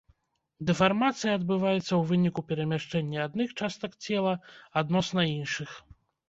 Дэфармацыя адбываецца ў выніку перамяшчэння адных частак цела адносна іншых.